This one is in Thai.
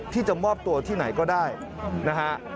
ที่จะมอบตัวที่ไหนก็ได้นะฮะ